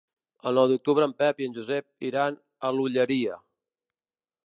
El nou d'octubre en Pep i en Josep iran a l'Olleria.